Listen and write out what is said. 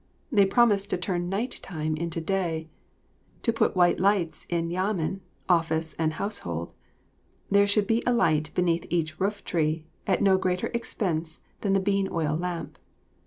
They promised to turn night time into day, to put white lights in Yamen, office, and house hold. There should be a light beneath each rooftree, at no greater expense than the bean oil lamp.